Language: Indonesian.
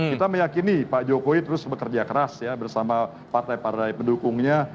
kita meyakini pak jokowi terus bekerja keras ya bersama partai partai pendukungnya